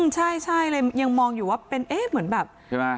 ใช่เลยยังมองอยู่ว่าเป็นเอ๊ะเหมือนแบบใช่ไหม